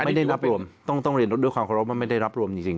ไม่ได้นับรวมต้องเรียนด้วยความเคารพว่าไม่ได้รับรวมจริง